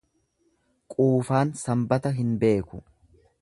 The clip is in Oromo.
Quufaan Sanbata hin beeku.